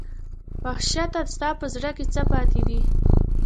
وحشته ستا په زړه کې څـه پاتې دي